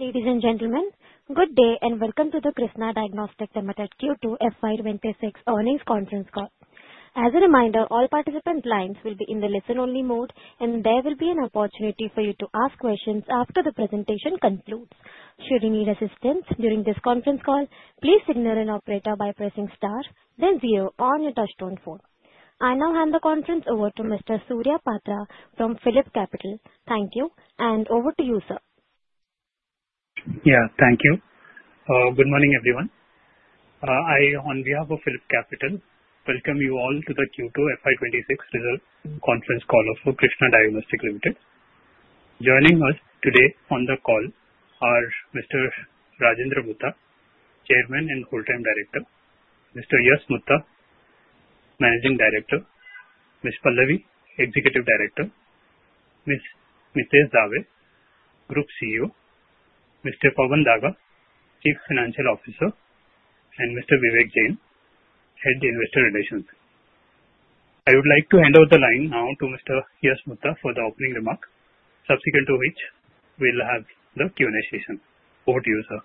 Ladies and gentlemen, good day and welcome to the Krsnaa Diagnostics Q2 FY26 earnings conference call. As a reminder, all participant lines will be in the listen-only mode, and there will be an opportunity for you to ask questions after the presentation concludes. Should you need assistance during this conference call, please signal an operator by pressing star, then zero on your touch-tone phone. I now hand the conference over to Mr. Surya Patra from Phillip Capital. Thank you, and over to you, sir. Yeah, thank you. Good morning, everyone. I, on behalf of Phillip Capital, welcome you all to the Q2 FY26 conference call of Krsnaa Diagnostics Ltd. Joining us today on the call are Mr. Rajendra Mutha, Chairman and Full-Time Director, Mr. Yash Mutha, Managing Director, Ms. Pallavi, Executive Director, Mr. Mitesh Dave, Group CEO, Mr. Pawan Daga, Chief Financial Officer, and Mr. Vivek Jain, Head Investor Relations. I would like to hand over the line now to Mr. Yash Mutha for the opening remark, subsequent to which we'll have the Q&A session. Over to you, sir.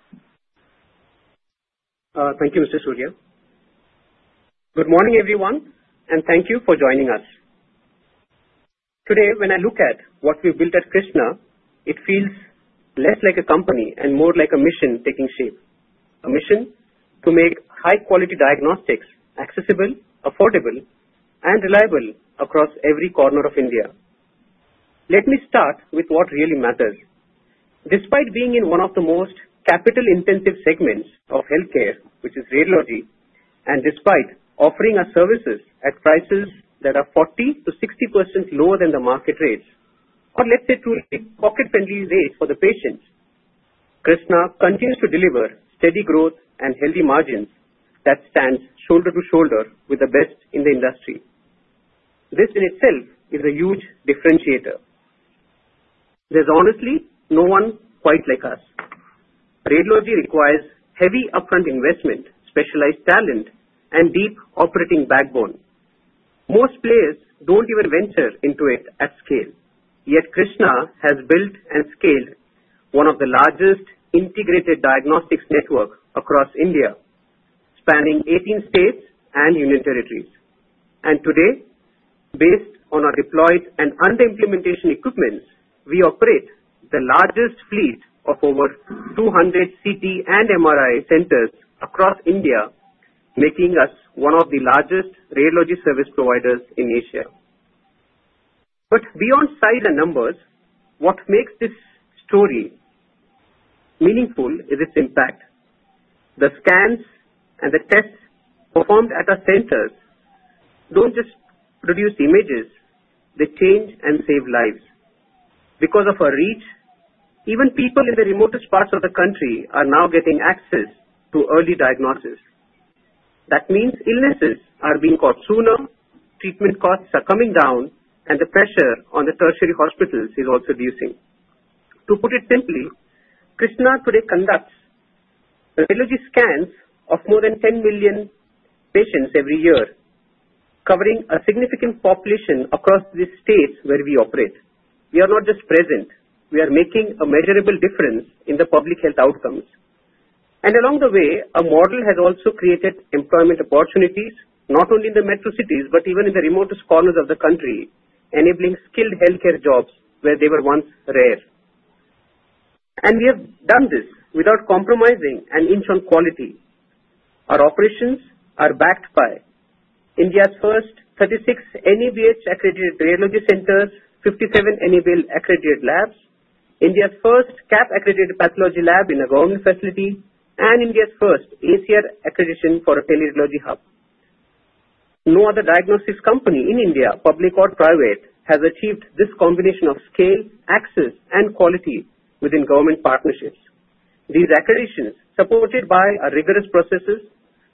Thank you, Mr. Surya. Good morning, everyone, and thank you for joining us. Today, when I look at what we've built at Krsnaa, it feels less like a company and more like a mission taking shape. A mission to make high-quality diagnostics accessible, affordable, and reliable across every corner of India. Let me start with what really matters. Despite being in one of the most capital-intensive segments of healthcare, which is radiology, and despite offering our services at prices that are 40%-60% lower than the market rates, or let's say truly pocket-friendly rates for the patients, Krsnaa continues to deliver steady growth and healthy margins that stand shoulder to shoulder with the best in the industry. This in itself is a huge differentiator. There's honestly no one quite like us. Radiology requires heavy upfront investment, specialized talent, and deep operating backbone. Most players don't even venture into it at scale. Yet Krsnaa has built and scaled one of the largest integrated diagnostics networks across India, spanning 18 states and Union Territories. And today, based on our deployed and under-implementation equipment, we operate the largest fleet of over 200 CT and MRI centers across India, making us one of the largest radiology service providers in Asia. But beyond size and numbers, what makes this story meaningful is its impact. The scans and the tests performed at our centers don't just produce images, they change and save lives. Because of our reach, even people in the remotest parts of the country are now getting access to early diagnosis. That means illnesses are being caught sooner, treatment costs are coming down, and the pressure on the tertiary hospitals is also decreasing. To put it simply, Krsnaa today conducts radiology scans of more than 10 million patients every year, covering a significant population across the states where we operate. We are not just present. We are making a measurable difference in the public health outcomes. Along the way, our model has also created employment opportunities, not only in the metro cities, but even in the remotest corners of the country, enabling skilled healthcare jobs where they were once rare. We have done this without compromising an inch on quality. Our operations are backed by India's first 36 NABH-accredited radiology centers, 57 NABL-accredited labs, India's first CAP-accredited pathology lab in a government facility, and India's first ACR accreditation for a teleradiology hub. No other diagnostics company in India, public or private, has achieved this combination of scale, access, and quality within government partnerships. These accreditations, supported by our rigorous processes,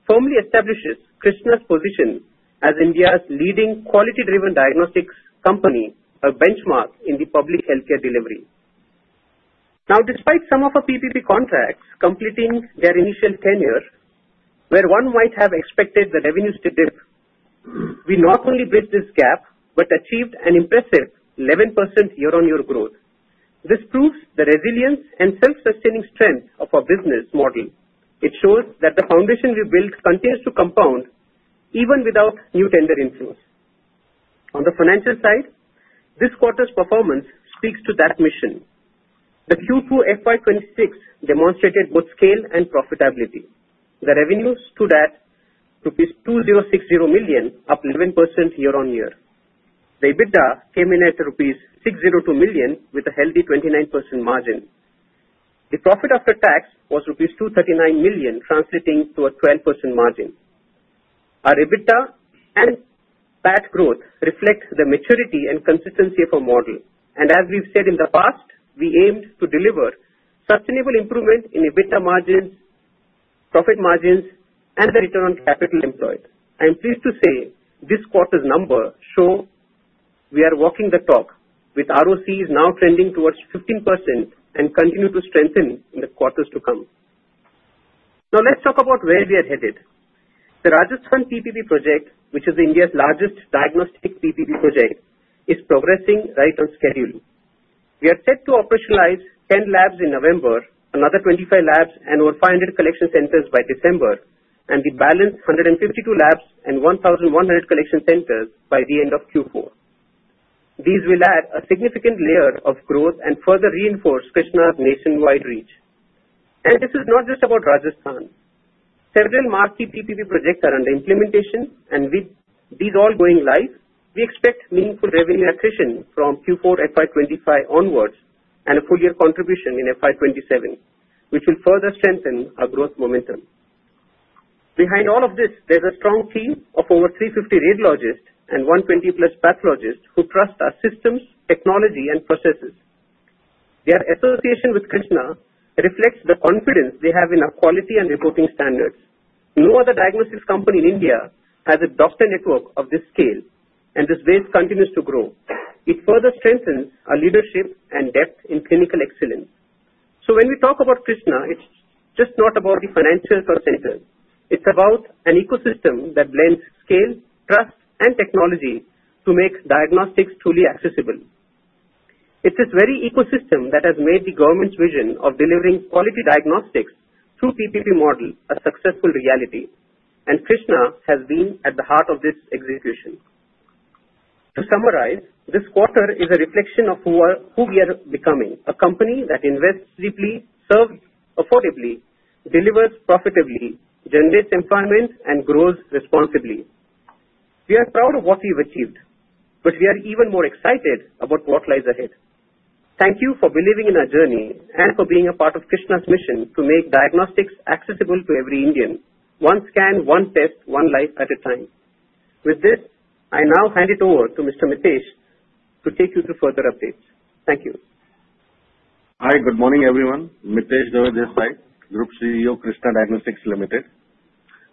firmly establish Krsnaa's position as India's leading quality-driven diagnostics company, a benchmark in the public healthcare delivery. Now, despite some of our PPP contracts completing their initial tenure, where one might have expected the revenues to dip, we not only bridged this gap but achieved an impressive 11% year-on-year growth. This proves the resilience and self-sustaining strength of our business model. It shows that the foundation we've built continues to compound even without new tender inflows. On the financial side, this quarter's performance speaks to that mission. The Q2 FY26 demonstrated both scale and profitability. The revenues stood at rupees 2060 million, up 11% year-on-year. The EBITDA came in at rupees 602 million, with a healthy 29% margin. The profit after tax was rupees 239 million, translating to a 12% margin. Our EBITDA and PAT growth reflect the maturity and consistency of our model. As we've said in the past, we aim to deliver sustainable improvement in EBITDA margins, profit margins, and the return on capital employed. I'm pleased to say this quarter's numbers show we are walking the talk, with ROCEs now trending towards 15% and continue to strengthen in the quarters to come. Now, let's talk about where we are headed. The Rajasthan PPP project, which is India's largest diagnostic PPP project, is progressing right on schedule. We are set to operationalize 10 labs in November, another 25 labs, and over 500 collection centers by December, and the balance 152 labs and 1,100 collection centers by the end of Q4. These will add a significant layer of growth and further reinforce Krsnaa's nationwide reach. This is not just about Rajasthan. Several marquee PPP projects are under implementation, and with these all going live, we expect meaningful revenue accretion from Q4 FY25 onwards and a full-year contribution in FY27, which will further strengthen our growth momentum. Behind all of this, there's a strong team of over 350 radiologists and 120-plus pathologists who trust our systems, technology, and processes. Their association with Krsnaa reflects the confidence they have in our quality and reporting standards. No other diagnostics company in India has a doctor network of this scale, and this base continues to grow. It further strengthens our leadership and depth in clinical excellence. So when we talk about Krsnaa, it's just not about the financial percentage, it's about an ecosystem that blends scale, trust, and technology to make diagnostics truly accessible. It's this very ecosystem that has made the government's vision of delivering quality diagnostics through PPP models a successful reality. Krsnaa has been at the heart of this execution. To summarize, this quarter is a reflection of who we are becoming: a company that invests deeply, serves affordably, delivers profitably, generates employment, and grows responsibly. We are proud of what we've achieved, but we are even more excited about what lies ahead. Thank you for believing in our journey and for being a part of Krsnaa's mission to make diagnostics accessible to every Indian, one scan, one test, one life at a time. With this, I now hand it over to Mr. Mitesh to take you through further updates. Thank you. Hi, good morning, everyone. Mitesh Dave here, Group CEO, Krsnaa Diagnostics Ltd.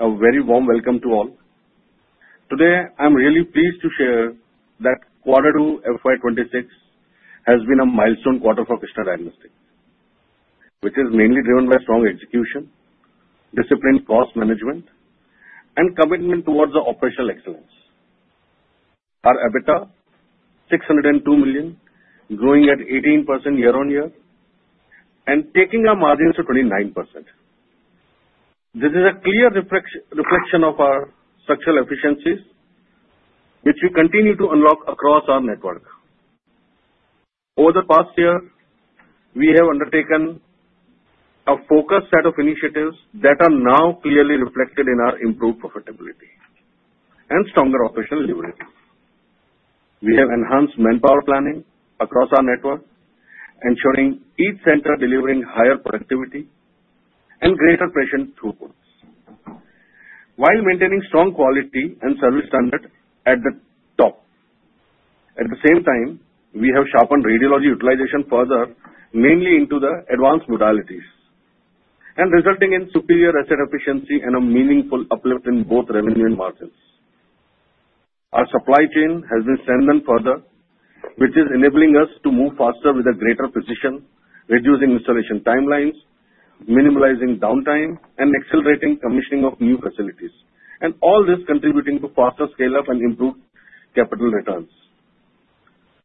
A very warm welcome to all. Today, I'm really pleased to share that quarter two FY26 has been a milestone quarter for Krsnaa Diagnostics, which is mainly driven by strong execution, disciplined cost management, and commitment towards operational excellence. Our EBITDA, 602 million, growing at 18% year-on-year and taking our margins to 29%. This is a clear reflection of our structural efficiencies, which we continue to unlock across our network. Over the past year, we have undertaken a focused set of initiatives that are now clearly reflected in our improved profitability and stronger operational delivery. We have enhanced manpower planning across our network, ensuring each center delivering higher productivity and greater patient throughputs while maintaining strong quality and service standards at the top. At the same time, we have sharpened radiology utilization further, mainly into the advanced modalities, resulting in superior asset efficiency and a meaningful uplift in both revenue and margins. Our supply chain has been strengthened further, which is enabling us to move faster with a greater precision, reducing installation timelines, minimizing downtime, and accelerating commissioning of new facilities, and all this is contributing to faster scale-up and improved capital returns.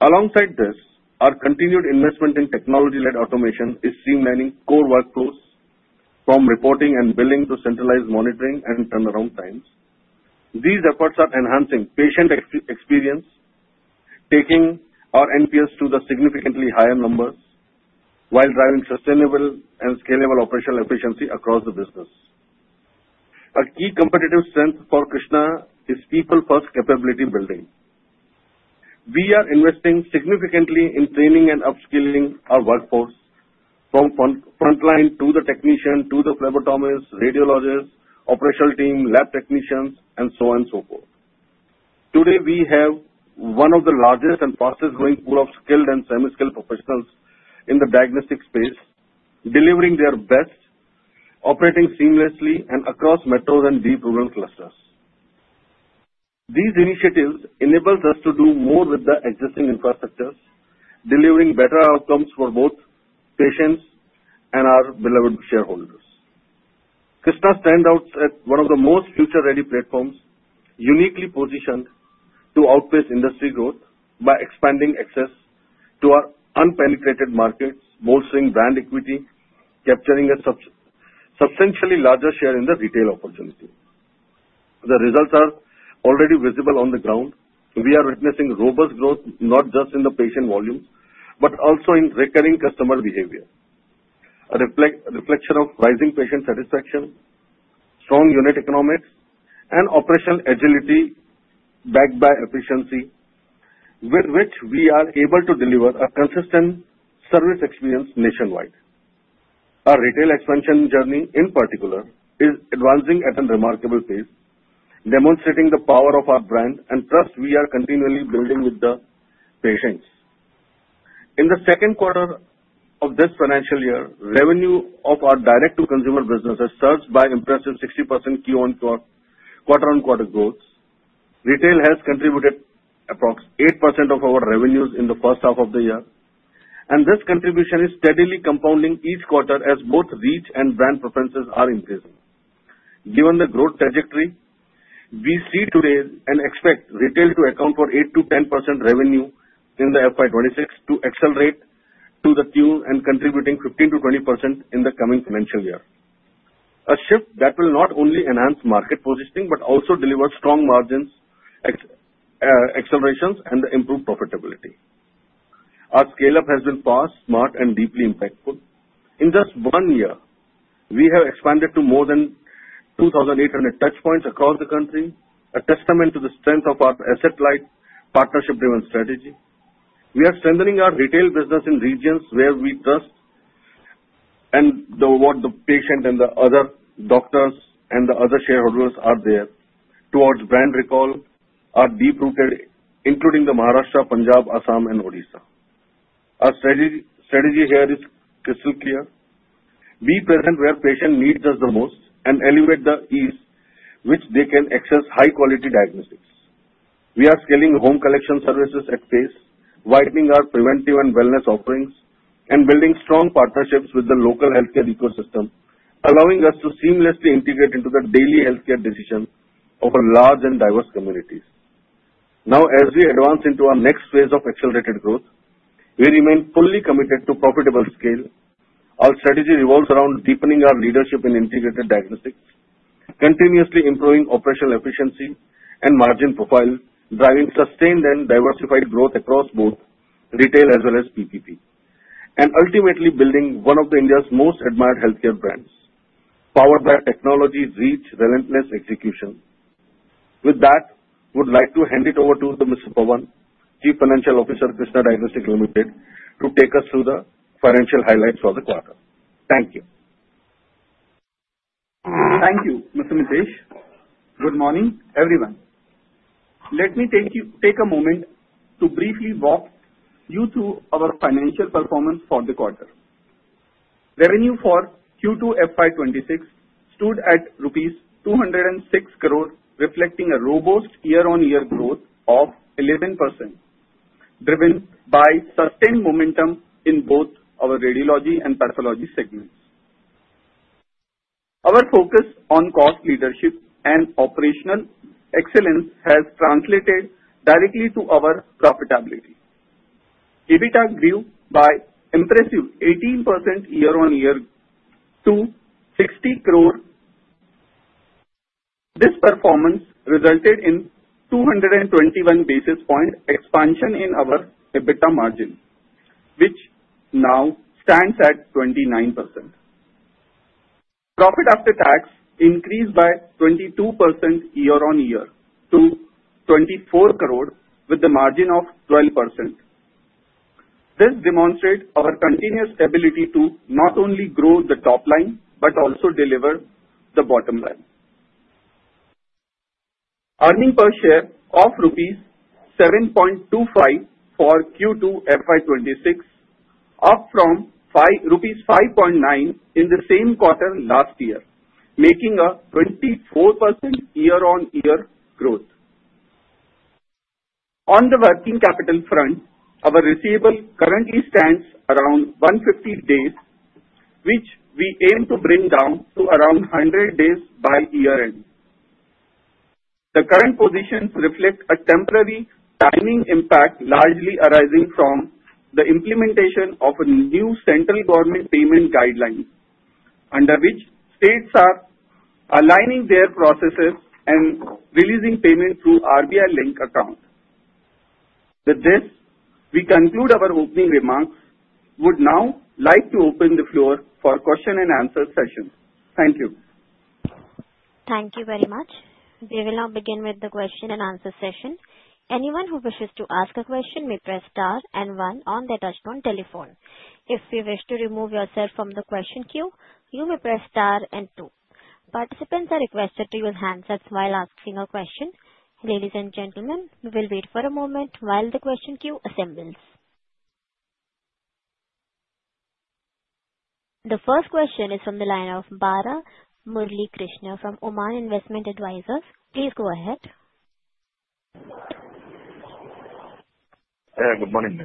Alongside this, our continued investment in technology-led automation is streamlining core workflows, from reporting and billing to centralized monitoring and turnaround times. These efforts are enhancing patient experience, taking our NPS to the significantly higher numbers while driving sustainable and scalable operational efficiency across the business. A key competitive strength for Krsnaa is people-first capability building. We are investing significantly in training and upskilling our workforce, from frontline to the technician to the phlebotomist, radiologist, operational team, lab technicians, and so on and so forth. Today, we have one of the largest and fastest-growing pools of skilled and semi-skilled professionals in the diagnostic space, delivering their best, operating seamlessly across metros and deep rural clusters. These initiatives enable us to do more with the existing infrastructures, delivering better outcomes for both patients and our beloved shareholders. Krsnaa stands out as one of the most future-ready platforms, uniquely positioned to outpace industry growth by expanding access to our unpenetrated markets, bolstering brand equity, and capturing a substantially larger share in the retail opportunity. The results are already visible on the ground. We are witnessing robust growth not just in the patient volumes but also in recurring customer behavior, a reflection of rising patient satisfaction, strong unit economics, and operational agility backed by efficiency, with which we are able to deliver a consistent service experience nationwide. Our retail expansion journey, in particular, is advancing at a remarkable pace, demonstrating the power of our brand and trust we are continually building with the patients. In the second quarter of this financial year, revenue of our direct-to-consumer business has surged by an impressive 60% Q1 quarter-on-quarter growth. Retail has contributed approximately 8% of our revenues in the first half of the year. And this contribution is steadily compounding each quarter as both reach and brand preferences are increasing. Given the growth trajectory, we see today and expect retail to account for 8%-10% revenue in the FY26 to accelerate to the tune and contributing 15%-20% in the coming financial year, a shift that will not only enhance market positioning but also deliver strong margin accelerations and improved profitability. Our scale-up has been fast, smart, and deeply impactful. In just one year, we have expanded to more than 2,800 touchpoints across the country, a testament to the strength of our asset-light partnership-driven strategy. We are strengthening our retail business in regions where we trust and what the patient and the other doctors and the other shareholders are there towards brand recall, our deep-rooted, including Maharashtra, Punjab, Assam, and Odisha. Our strategy here is crystal clear: be present where patients need us the most and elevate the ease with which they can access high-quality diagnostics. We are scaling home collection services at pace, widening our preventive and wellness offerings, and building strong partnerships with the local healthcare ecosystem, allowing us to seamlessly integrate into the daily healthcare decisions of large and diverse communities. Now, as we advance into our next phase of accelerated growth, we remain fully committed to profitable scale. Our strategy revolves around deepening our leadership in integrated diagnostics, continuously improving operational efficiency and margin profile, driving sustained and diversified growth across both retail as well as PPP, and ultimately building one of India's most admired healthcare brands, powered by technology, reach, relentless execution. With that, I would like to hand it over to Mr. Pawan, Chief Financial Officer of Krsnaa Diagnostics Ltd., to take us through the financial highlights for the quarter. Thank you. Thank you, Mr. Mitesh. Good morning, everyone. Let me take a moment to briefly walk you through our financial performance for the quarter. Revenue for Q2 FY26 stood at INR 206 crore, reflecting a robust year-on-year growth of 11%, driven by sustained momentum in both our radiology and pathology segments. Our focus on cost leadership and operational excellence has translated directly to our profitability. EBITDA grew by an impressive 18% year-on-year to 60 crore. This performance resulted in a 221 basis points expansion in our EBITDA margin, which now stands at 29%. Profit after tax increased by 22% year-on-year to 24 crore, with a margin of 12%. This demonstrates our continuous ability to not only grow the top line but also deliver the bottom line. Earnings per share of rupees 7.25 for Q2 FY26, up from 5.9 in the same quarter last year, making a 24% year-on-year growth. On the working capital front, our receivable currently stands around 150 days, which we aim to bring down to around 100 days by year-end. The current positions reflect a temporary timing impact largely arising from the implementation of a new central government payment guideline, under which states are aligning their processes and releasing payment through RBI-linked account. With this, we conclude our opening remarks. I would now like to open the floor for a question-and-answer session. Thank you. Thank you very much. We will now begin with the question-and-answer session. Anyone who wishes to ask a question may press star and one on their touch-tone telephone. If you wish to remove yourself from the question queue, you may press star and two. Participants are requested to use handsets while asking a question. Ladies and gentlemen, we will wait for a moment while the question queue assembles. The first question is from the line of Balamurali Krishnan from Oman Investment Advisors. Please go ahead. Good morning,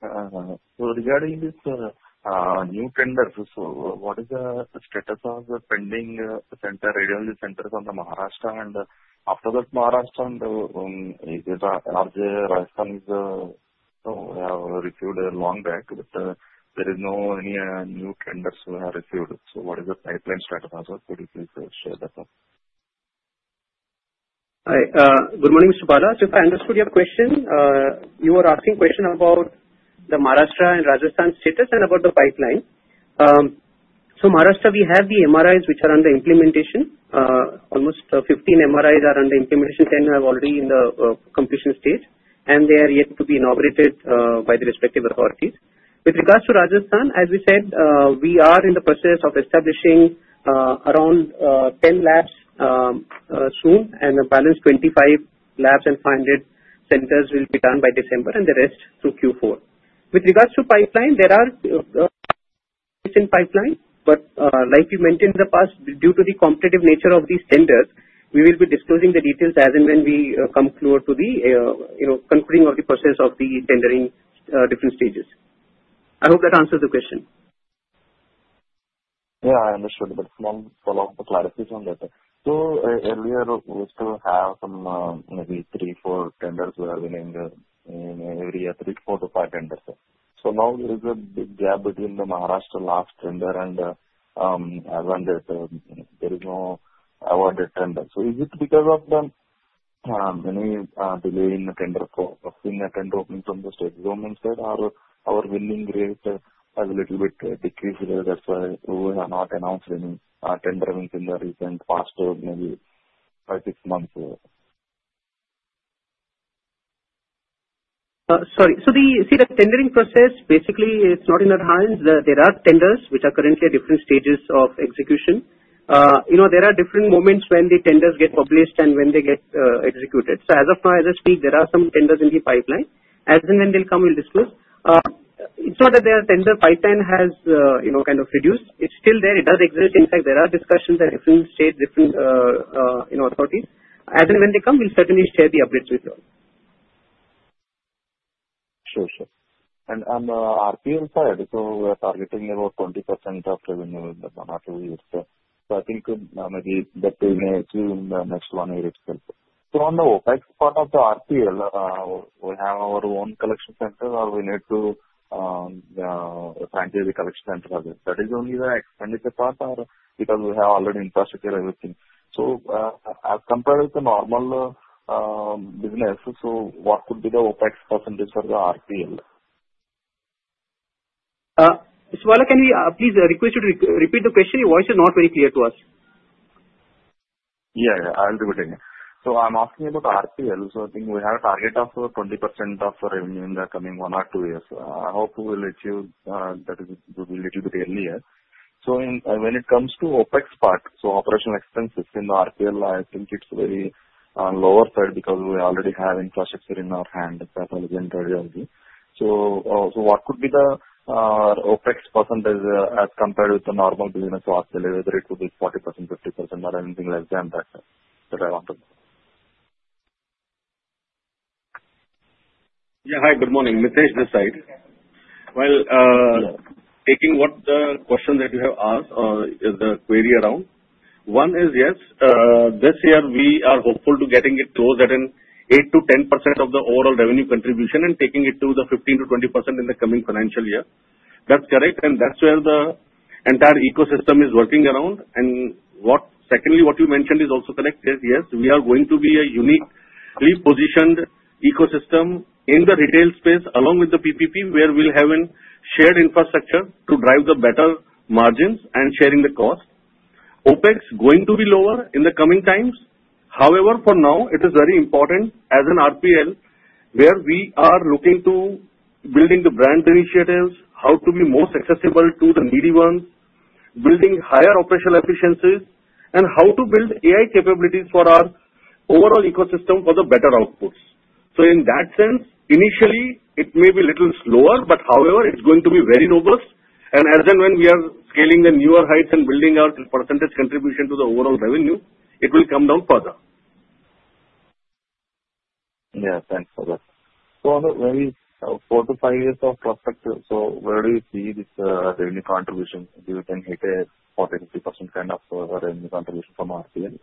ma'am. So regarding these new tenders, what is the status of the pending radiology centers in Maharashtra? And after that, Maharashtra and Rajasthan have received a long break, but there is no new tenders received. So what is the pipeline status? Could you please share that? Hi. Good morning, Mr. Bala. So if I understood your question, you were asking a question about the Maharashtra and Rajasthan status and about the pipeline. So Maharashtra, we have the MRIs which are under implementation. Almost 15 MRIs are under implementation. 10 are already in the completion stage, and they are yet to be inaugurated by the respective authorities. With regards to Rajasthan, as we said, we are in the process of establishing around 10 labs soon, and the balance, 25 labs and 500 centers, will be done by December, and the rest through Q4. With regards to pipeline, there are pipelines, but like we mentioned in the past, due to the competitive nature of these tenders, we will be disclosing the details as and when we come close to the concluding of the process of the tendering different stages. I hope that answers the question. Yeah, I understood, but for now, for lack of clarity on that. So earlier, we still have maybe three, four tenders who are winning every four to five tenders. Now there is a big gap between the Maharashtra last tender and Andhra. There is no awarded tender. Is it because of the delay in the tender opening from the state government side, or our winning rate has a little bit decreased? That's why we have not announced any tendering in the recent past, maybe five, six months? Sorry. So the tendering process, basically, it's not in our hands. There are tenders which are currently at different stages of execution. There are different moments when the tenders get published and when they get executed. As of now, as I speak, there are some tenders in the pipeline. As and when they'll come, we'll disclose. It's not that the tender pipeline has kind of reduced. It's still there. It does exist. In fact, there are discussions at different states, different authorities. As and when they come, we'll certainly share the updates with you all. Sure, sure. On the RPL side, so we are targeting about 20% of revenue in the month. I think maybe that we may see in the next one year itself. So on the OpEx part of the RPL, we have our own collection center, or we need to franchise the collection center? That is only the expenditure part, or because we have already infrastructure everything? As compared with the normal business, so what could be the OpEx percentage for the RPL? Surya, can we please request you to repeat the question? Your voice is not very clear to us. Yeah, yeah. I'll repeat it. So I'm asking about the RPL. I think we have a target of 20% of revenue in the coming one or two years. I hope we'll achieve that a little bit earlier. When it comes to OpEx part, so operational expenses in the RPL, I think it's very lower third because we already have infrastructure in our hand, pathology and radiology. What could be the OpEx percentage as compared with the normal business RPL, whether it could be 40%, 50%, or anything like that? That I want to know. Yeah, hi. Good morning. Mitesh Dave. Well. Taking both the questions that you have asked or the query around, one is yes, this year we are hopeful to getting it closer at an 8%-10% of the overall revenue contribution and taking it to the 15%-20% in the coming financial year. That's correct. That's where the entire ecosystem is working around. Secondly, what you mentioned is also correct. Yes, we are going to be a uniquely positioned ecosystem in the retail space along with the PPP, where we'll have a shared infrastructure to drive the better margins and sharing the cost. Opex is going to be lower in the coming times. However, for now, it is very important as an RPL, where we are looking to build the brand initiatives, how to be more accessible to the needy ones, building higher operational efficiencies, and how to build AI capabilities for our overall ecosystem for the better outputs. In that sense, initially, it may be a little slower, but however, it's going to be very robust. As and when we are scaling the newer heights and building our percentage contribution to the overall revenue, it will come down further. Yeah, thanks for that. So I have maybe four to five years of perspective. So where do you see this revenue contribution? Do you think it is 40%-50% kind of revenue contribution from RPL?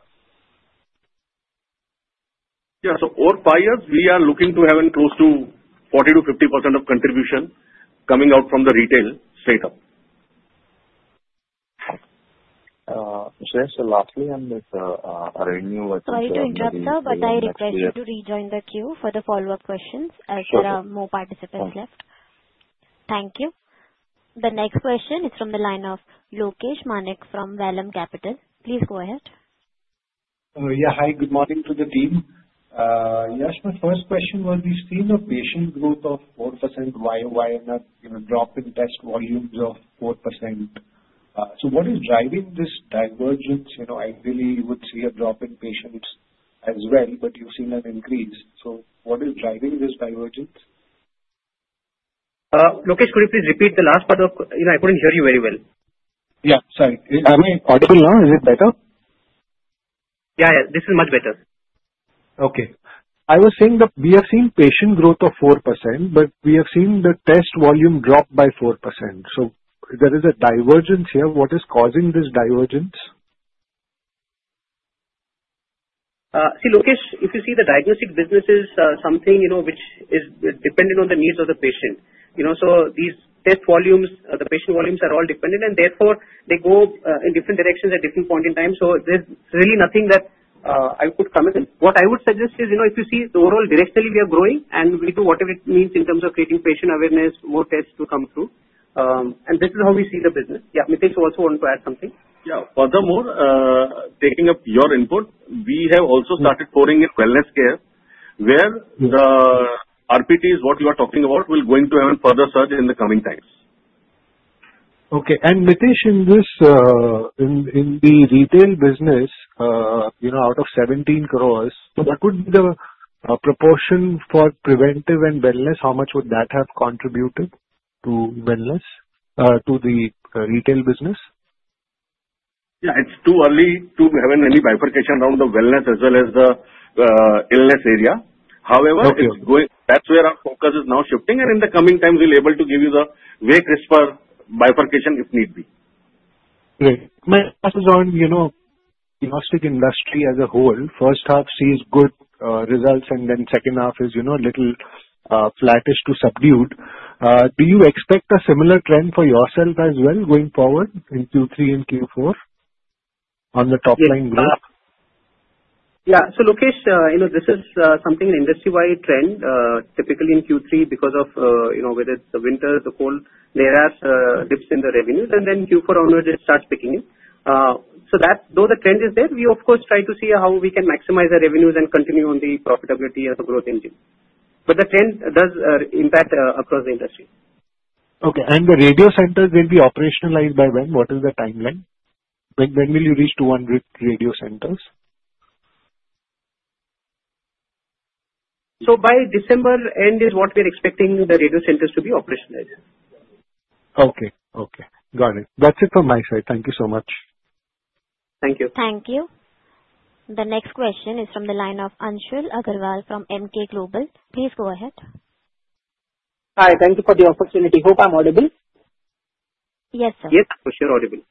Yeah, so over five years, we are looking to have close to 40%-50% of contribution coming out from the retail setup. Mitesh, lastly, on the revenue. Sorry to interrupt you, but I request you to rejoin the queue for the follow-up questions as there are more participants left. Thank you. The next question is from the line of Lokesh Manik from Vallum Capital. Please go ahead. Yeah, hi. Good morning to the team. Yes, my first question was, we've seen a patient growth of 4%. Why not drop in test volumes of 4%? What is driving this divergence? I really would see a drop in patients as well, but you've seen an increase. So what is driving this divergence? Lokesh, could you please repeat the last part of? I couldn't hear you very well. Yeah, sorry. Are we audible now? Is it better? Yeah, yeah. This is much better. Okay. I was saying that we have seen patient growth of 4%, but we have seen the test volume drop by 4%. So there is a divergence here. What is causing this divergence? See, Lokesh, if you see, the diagnostic business is something which is dependent on the needs of the patient. So these test volumes, the patient volumes are all dependent, and therefore, they go in different directions at different points in time. There's really nothing that I could comment. What I would suggest is, if you see, overall, directionally, we are growing, and we do whatever it means in terms of creating patient awareness, more tests to come through. This is how we see the business. Yeah, Mitesh, you also want to add something? Yeah. Furthermore, taking up your input, we have also started pouring in wellness care, where the RPLs, what you are talking about, will going to have a further surge in the coming times. Okay. Mitesh, in the retail business, out of 17 crores, what would be the proportion for preventive and wellness? How much would that have contributed to wellness, to the retail business? Yeah, it's too early to have any bifurcation around the wellness as well as the illness area. However, that's where our focus is now shifting. In the coming times, we'll be able to give you a clear bifurcation if need be. Great. Mitesh, on diagnostic industry as a whole, first half sees good results, and then second half is a little flattish to subdued. Do you expect a similar trend for yourself as well going forward in Q3 and Q4 on the top line growth? Yeah. So Lokesh, this is something an industry-wide trend. Typically, in Q3, because of the weather, it's the winter, the cold, there are dips in the revenues. And then Q4 onward, it starts picking up. So though the trend is there, we, of course, try to see how we can maximize our revenues and continue on the profitability and the growth engine. But the trend does impact across the industry. Okay, and the radiology centers will be operationalized by when? What is the timeline? When will you reach 200 radiology centers? By December end is what we're expecting the radiology centers to be operationalized. Okay, okay. Got it. That's it from my side. Thank you so much. Thank you. Thank you. The next question is from the line of Anshul Agrawal from Emkay Global. Please go ahead. Hi. Thank you for the opportunity. Hope I'm audible? Yes, sir. Yes, for sure, audible.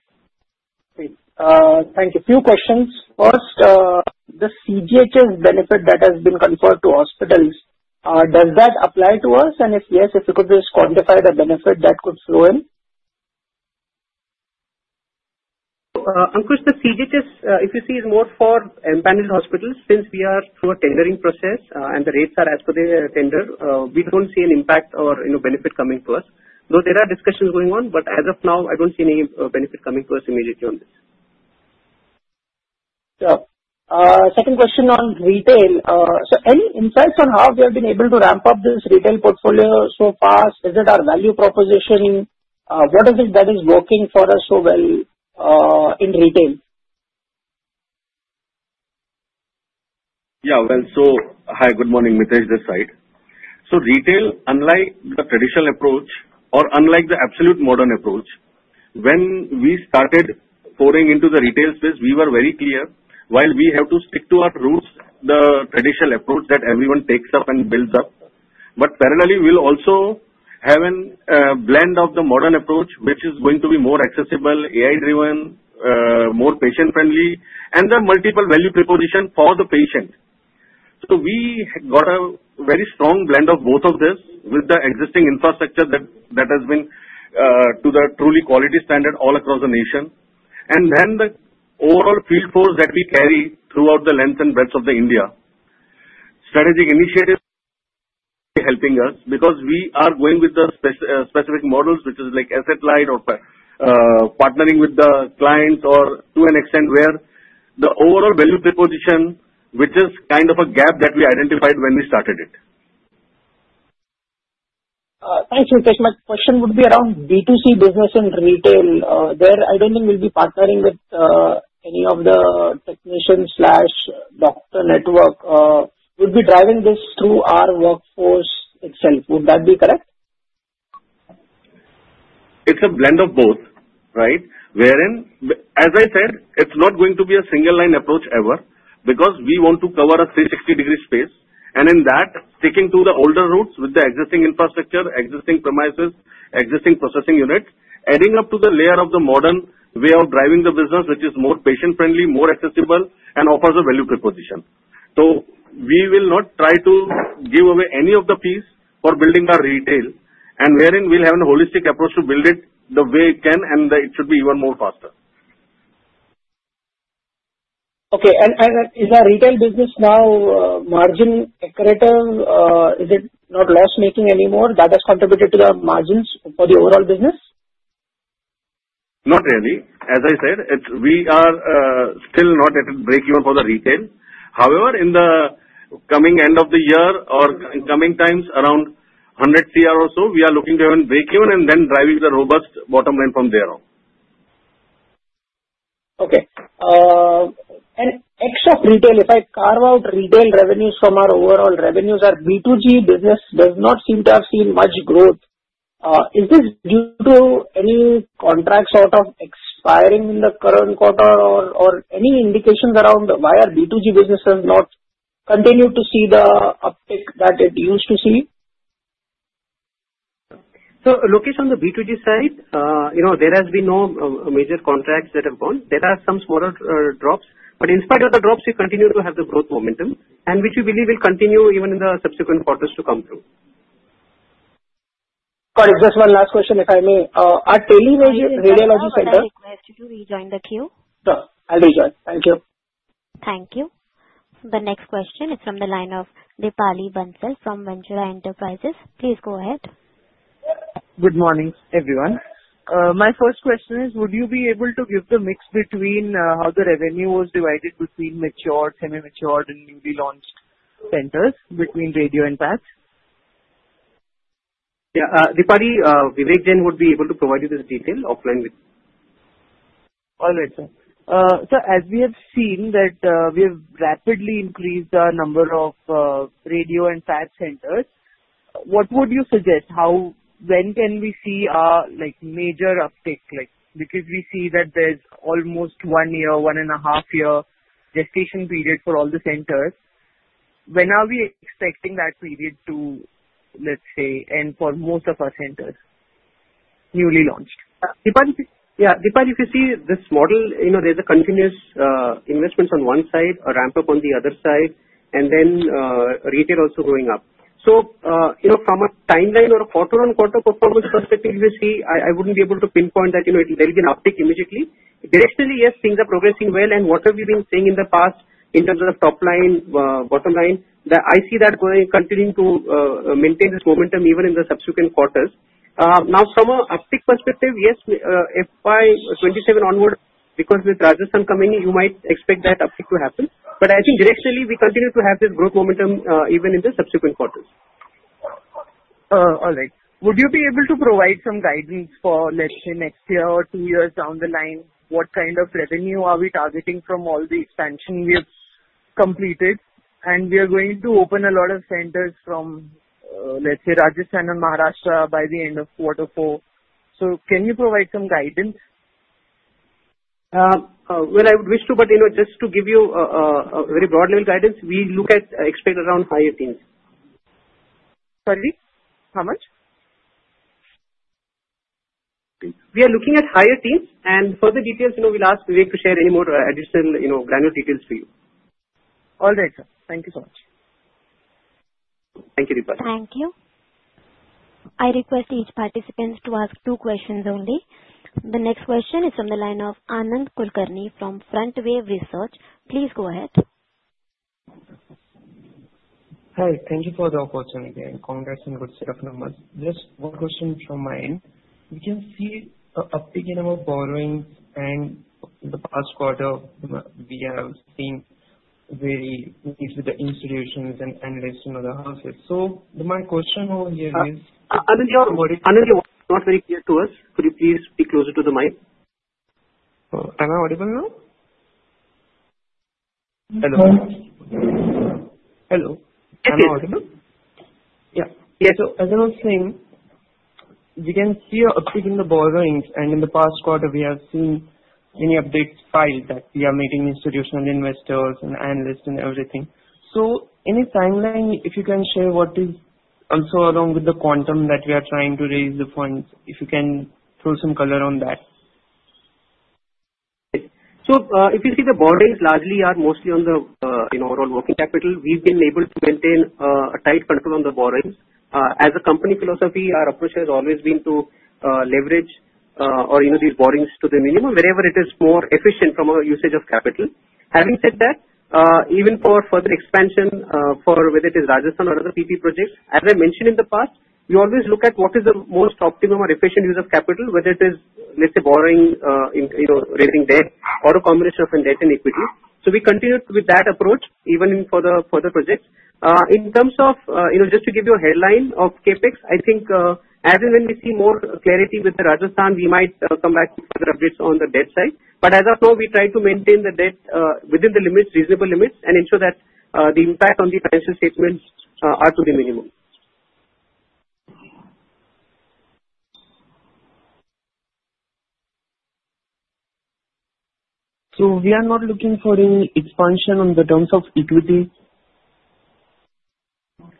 Thank you. A few questions. First, the CGHS benefit that has been conferred to hospitals, does that apply to us? And if yes, if you could just quantify the benefit that could flow in? Anshul, the CGHS, if you see, is more for panel hospitals. Since we are through a tendering process and the rates are as per the tender, we don't see an impact or benefit coming to us. Though there are discussions going on, but as of now, I don't see any benefit coming to us immediately on this. Yeah. Second question on retail. So any insights on how we have been able to ramp up this retail portfolio so far? Is it our value proposition? What is it that is working for us so well in retail? Yeah. Well, so hi, good morning, Mitesh Dave. Retail, unlike the traditional approach or unlike the absolute modern approach, when we started pouring into the retail space, we were very clear while we have to stick to our roots, the traditional approach that everyone takes up and builds up. But parallelly, we'll also have a blend of the modern approach, which is going to be more accessible, AI-driven, more patient-friendly, and the multiple value proposition for the patient. We got a very strong blend of both of this with the existing infrastructure that has been to the truly quality standard all across the nation. And then the overall field force that we carry throughout the length and breadth of the India. Strategic initiatives helping us because we are going with the specific models, which is like asset-light or partnering with the clients or to an extent where the overall value proposition, which is kind of a gap that we identified when we started it. Thank you, Mitesh. My question would be around B2C business in retail. There, I don't think we'll be partnering with any of the technicians/doctor network. Would be driving this through our workforce itself. Would that be correct? It's a blend of both, right? As I said, it's not going to be a single-line approach ever because we want to cover a 360-degree space. And in that, sticking to the older routes with the existing infrastructure, existing premises, existing processing unit, adding up to the layer of the modern way of driving the business, which is more patient-friendly, more accessible, and offers a value proposition. We will not try to give away any of the piece for building our retail. And wherein we'll have a holistic approach to build it the way it can, and it should be even more faster. Okay. And is our retail business now margin accurate? Is it not loss-making anymore? That has contributed to the margins for the overall business. Not really. As I said, we are still not at break-even for the retail. However, in the coming end of the year or in coming times, around 100 Cr or so, we are looking to have a break-even and then driving the robust bottom line from there on. Okay. And except retail, if I carve out retail revenues from our overall revenues, our B2G business does not seem to have seen much growth. Is this due to any contracts sort of expiring in the current quarter or any indications around why our B2G business has not continued to see the uptick that it used to see? So, Lokesh, on the B2G side, there has been no major contracts that have gone. There are some smaller drops. But in spite of the drops, we continue to have the growth momentum, which we believe will continue even in the subsequent quarters to come through. Got it. Just one last question, if I may. Our teleradiology center. I'm requesting you to rejoin the queue. Sure. I'll rejoin. Thank you. Thank you. The next question is from the line of Dipali Bansal from Ventura Securities. Please go ahead. Good morning, everyone. My first question is, would you be able to give the mix between how the revenue was divided between matured, semi-matured, and newly launched centers between radio and PATH? Yeah. Dipali, Vivek Jain would be able to provide you this detail offline. All right, sir. So as we have seen that we have rapidly increased our number of radiology and pathology centers, what would you suggest? When can we see a major uptick? Because we see that there's almost one year, one and a half year gestation period for all the centers. When are we expecting that period to, let's say, end for most of our centers newly launched? Dipali, if you see this model, there's a continuous investment on one side, a ramp-up on the other side, and then retail also going up. From a timeline or a quarter-on-quarter performance perspective, you see, I wouldn't be able to pinpoint that there'll be an uptick immediately. Directionally, yes, things are progressing well. And what have you been seeing in the past in terms of the top line, bottom line? I see that continuing to maintain this momentum even in the subsequent quarters. Now, from an uptick perspective, yes, FY 27 onward, because with Rajasthan coming, you might expect that uptick to happen. But I think directionally, we continue to have this growth momentum even in the subsequent quarters. All right. Would you be able to provide some guidance for, let's say, next year or two years down the line? What kind of revenue are we targeting from all the expansion we've completed? We are going to open a lot of centers from, let's say, Rajasthan and Maharashtra by the end of quarter four. So can you provide some guidance? I would wish to, but just to give you a very broad-level guidance, we expect around higher teens. Sorry? How much? We are looking at higher teams. For the details, we'll ask Vivek to share any more additional granular details for you. All right, sir. Thank you so much. Thank you, Dipali. Thank you. I request each participant to ask two questions only. The next question is from the line of Anand Kulkarni from Front Wave Research. Please go ahead. Hi. Thank you for the opportunity. Congrats on good set of numbers. Just one question from my end. We can see an uptick in our borrowings, and in the past quarter, we have seen very neat with the institutions and analysts in other houses. My question over here is, what is the. Anand, not very clear to us. Could you please be closer to the mic? Am I audible now? Hello. Hello. Am I audible? Yeah. Yeah. As I was saying, we can see an uptick in the borrowings. And in the past quarter, we have seen many updates filed that we are meeting institutional investors and analysts and everything. So any timeline, if you can share what is also along with the quantum that we are trying to raise the funds, if you can throw some color on that? So if you see, the borrowings largely are mostly on the overall working capital. We've been able to maintain a tight control on the borrowings. As a company philosophy, our approach has always been to leverage or use these borrowings to the minimum, wherever it is more efficient from our usage of capital. Having said that, even for further expansion, whether it is Rajasthan or other PPP projects, as I mentioned in the past, we always look at what is the most optimum or efficient use of capital, whether it is, let's say, borrowing, raising debt, or a combination of debt and equity. So we continue with that approach even for the further projects. In terms of just to give you a headline of CapEx, I think as and when we see more clarity with Rajasthan, we might come back with further updates on the debt side. But as of now, we try to maintain the debt within the limits, reasonable limits, and ensure that the impact on the financial statements are to the minimum. So we are not looking for any expansion on the terms of equity?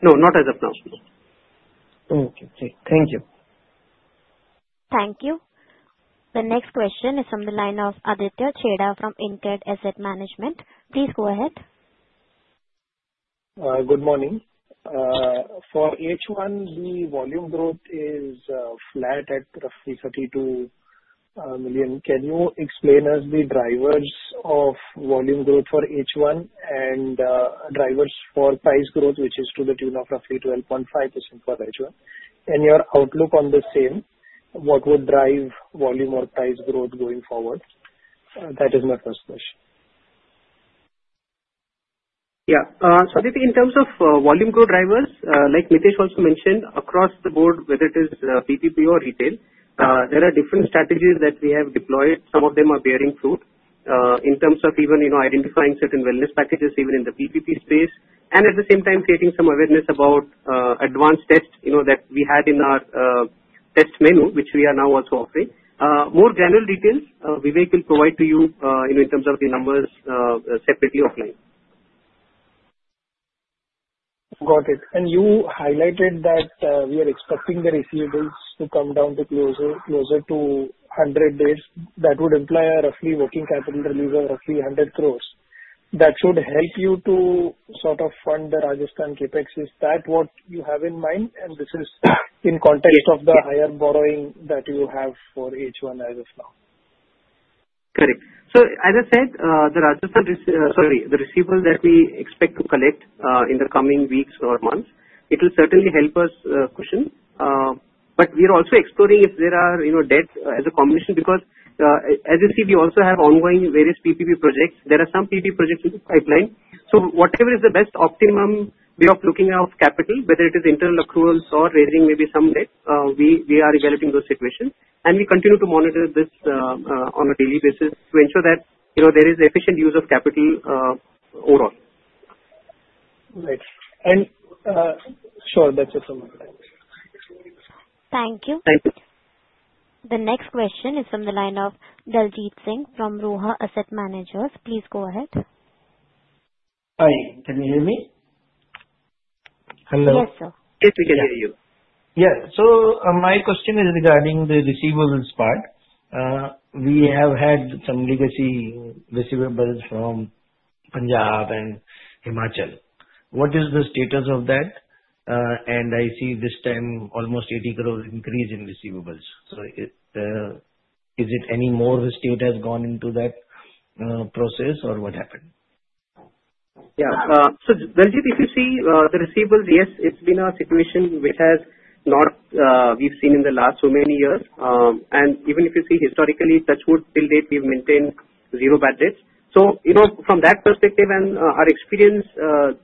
No, not as of now. Okay. Great. Thank you. Thank you. The next question is from the line of Aditya Chheda from InCred Asset Management. Please go ahead. Good morning. For H1, the volume growth is flat at roughly 32 million. Can you explain us the drivers of volume growth for H1 and drivers for price growth, which is to the tune of roughly 12.5% for H1? Your outlook on the same, what would drive volume or price growth going forward? That is my first question. Yeah, so I think in terms of volume growth drivers, like Mitesh also mentioned, across the board, whether it is PPP or retail, there are different strategies that we have deployed. Some of them are bearing fruit in terms of even identifying certain wellness packages even in the PPP space and at the same time creating some awareness about advanced tests that we had in our test menu, which we are now also offering. More granular details, Vivek will provide to you in terms of the numbers separately offline. Got it. You highlighted that we are expecting the receivables to come down to closer to 100 days. That would imply a roughly working capital release of roughly 100 crores. That should help you to sort of fund the Rajasthan CapEx. Is that what you have in mind? And this is in context of the higher borrowing that you have for H1 as of now. Correct. As I said, the Rajasthan—sorry, the receivables that we expect to collect in the coming weeks or months, it will certainly help us cushion. But we are also exploring if there are debts as a combination because as you see, we also have ongoing various PPP projects. There are some PPP projects in the pipeline. Whatever is the best optimum way of looking at capital, whether it is internal accruals or raising maybe some debt, we are evaluating those situations. We continue to monitor this on a daily basis to ensure that there is efficient use of capital overall. Right. Sure. I will let it for someone else. Thank you. Thank you. The next question is from the line of Daljit Singh from Roha Asset Managers. Please go ahead. Hi. Can you hear me? Hello. Yes, sir. Yes, we can hear you. Yes. My question is regarding the receivables part. We have had some legacy receivables from Punjab and Himachal. What is the status of that? I see this time almost 80 crore increase in receivables. Is it any more state has gone into that process or what happened? Yeah. So, Daljit, if you see the receivables, yes, it's been a situation which has not we've seen in the last so many years. And even if you see historically, touchwood till date, we've maintained zero bad debts. So from that perspective and our experience,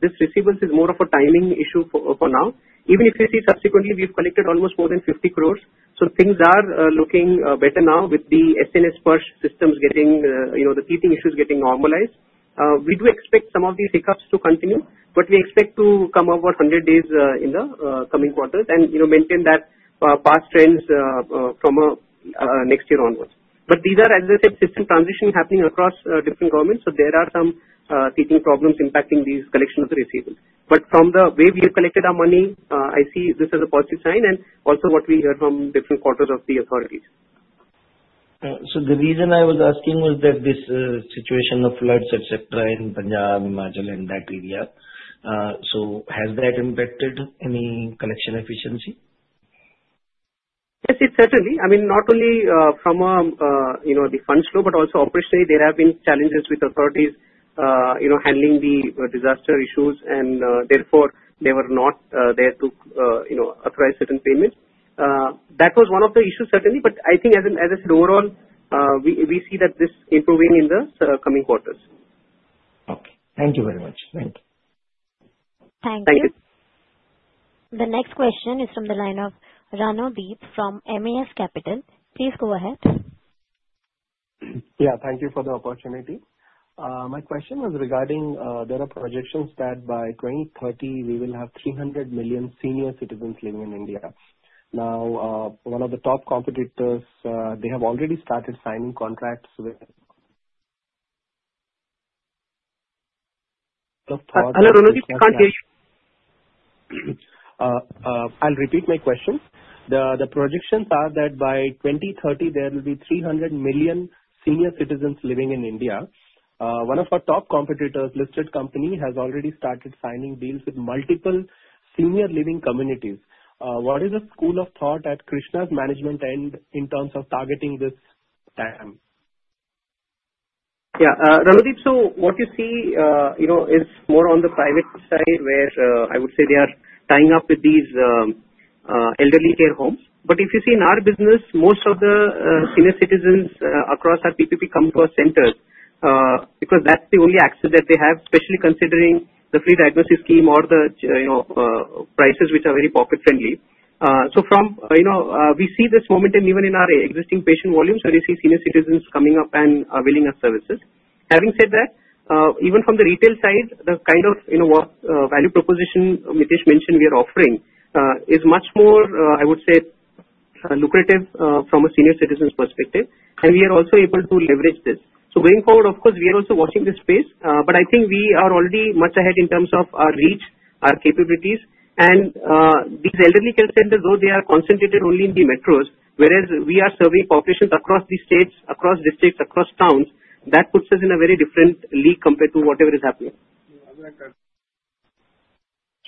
this receivables is more of a timing issue for now. Even if you see subsequently, we've collected almost more than 50 crores. So things are looking better now with the SNA-SPARSH systems getting the teething issues normalized. We do expect some of these hiccups to continue, but we expect to come over 100 days in the coming quarters and maintain that past trends from next year onwards. But these are, as I said, system transitioning happening across different governments. So there are some teething problems impacting these collections of the receivables. But from the way we have collected our money, I see this as a positive sign and also what we hear from different quarters of the authorities. The reason I was asking was that this situation of floods, etc., in Punjab, Himachal, and that area. So has that impacted any collection efficiency? Yes, it certainly. I mean, not only from the funds flow, but also operationally, there have been challenges with authorities handling the disaster issues, and therefore, they were not there to authorize certain payments. That was one of the issues, certainly. But I think, as I said, overall, we see that this improving in the coming quarters. Okay. Thank you very much. Thank you. Thank you. Thank you. The next question is from the line of Ranojoy Deep from MAS Capital. Please go ahead. Yeah. Thank you for the opportunity. My question was regarding there are projections that by 2030, we will have 300 million senior citizens living in India. Now, one of the top competitors, they have already started signing contracts with. Hello, Ranuji. We can't hear you. I'll repeat my question. The projections are that by 2030, there will be 300 million senior citizens living in India. One of our top competitors, Listed Company, has already started signing deals with multiple senior living communities. What is the school of thought at Krsnaa's management end in terms of targeting this time? Yeah. Ranuji, so what you see is more on the private side where I would say they are tying up with these elderly care homes. But if you see in our business, most of the senior citizens across our PPP come to our centers because that's the only access that they have, especially considering the free diagnosis scheme or the prices, which are very pocket-friendly. We see this momentum even in our existing patient volumes where you see senior citizens coming up and availing of services. Having said that, even from the retail side, the kind of value proposition Mitesh mentioned we are offering is much more, I would say, lucrative from a senior citizen's perspective. We are also able to leverage this. So going forward, of course, we are also watching this space. I think we are already much ahead in terms of our reach, our capabilities. These elderly care centers, though they are concentrated only in the metros, whereas we are serving populations across the states, across districts, across towns, that puts us in a very different league compared to whatever is happening.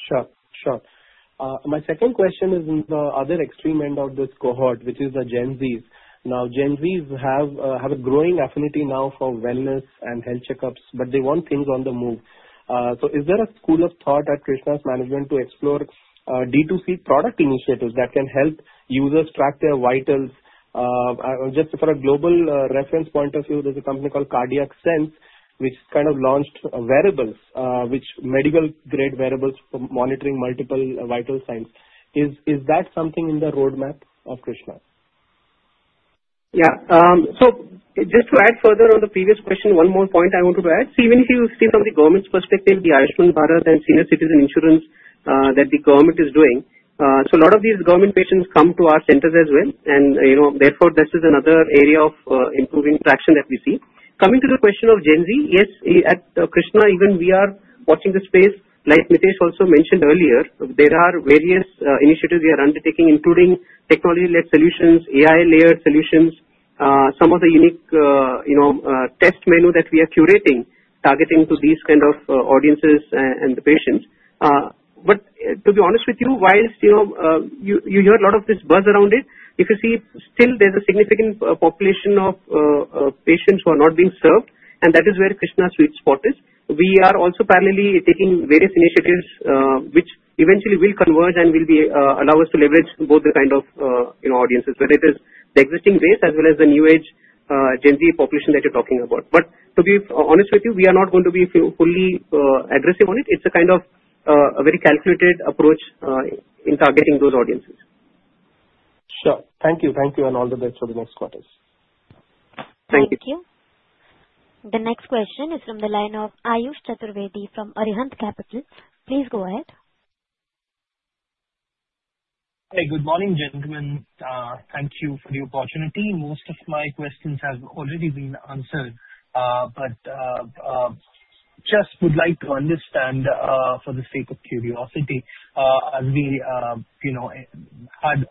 Sure. My second question is in the other extreme end of this cohort, which is the Gen Zs. Now, Gen Zs have a growing affinity now for wellness and health checkups, but they want things on the move. Is there a school of thought at Krsnaa's management to explore D2C product initiatives that can help users track their vitals? Just for a global reference point of view, there's a company called CardiacSense, which kind of launched wearables, which are medical-grade wearables for monitoring multiple vital signs. Is that something in the roadmap of Krsnaa? Yeah. Just to add further on the previous question, one more point I wanted to add. So even if you see from the government's perspective, the Ayushman Bharat and senior citizen insurance that the government is doing, so a lot of these government patients come to our centers as well. Therefore, this is another area of improving traction that we see. Coming to the question of Gen Z, yes, at Krsnaa, even we are watching the space. Like Mitesh also mentioned earlier, there are various initiatives we are undertaking, including technology-led solutions, AI-layered solutions, some of the unique test menu that we are curating, targeting to these kind of audiences and the patients. But to be honest with you, while you hear a lot of this buzz around it, if you see, still there's a significant population of patients who are not being served, and that is where Krsnaa's sweet spot is. We are also parallelly taking various initiatives which eventually will converge and will allow us to leverage both the kind of audiences, whether it is the existing base as well as the new age Gen Z population that you're talking about. But to be honest with you, we are not going to be fully aggressive on it. It's a kind of a very calculated approach in targeting those audiences. Sure. Thank you. Thank you. And all the best for the next quarters. Thank you. Thank you. The next question is from the line of Ayush Chaturvedi from Arihant Capital. Please go ahead. Hi. Good morning, gentlemen. Thank you for the opportunity. Most of my questions have already been answered, but just would like to understand for the sake of curiosity, as we had